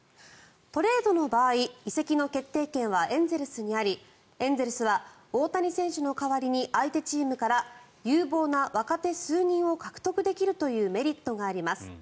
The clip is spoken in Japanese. トレードの場合移籍の決定権はエンゼルスにありエンゼルスは大谷選手の代わりに相手チームから有望な若手数人を獲得できるというメリットがあります。